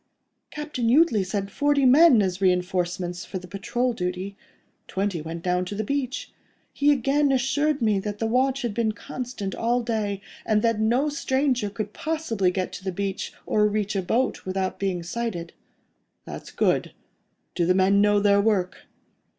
"Captain Jutley sent forty men as reinforcements for the patrol duty: twenty went down to the beach. He again assured me that the watch has been constant all day, and that no stranger could possibly get to the beach, or reach a boat, without being sighted." "That's good.—Do the men know their work?"